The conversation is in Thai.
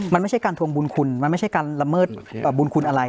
มันไม่ใช่การทวงบุญคุณมันไม่ใช่การละเมิดบุญคุณอะไร